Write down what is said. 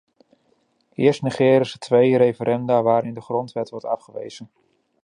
Eerst negeren ze twee referenda waarin de grondwet wordt afgewezen.